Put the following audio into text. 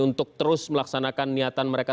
untuk terus melaksanakan niatan mereka